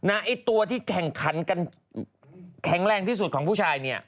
ไอ้ตัวที่แข่งขันกันแข็งแรงที่สุดของผู้ชายเนี่ย